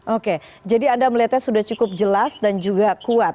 oke jadi anda melihatnya sudah cukup jelas dan juga kuat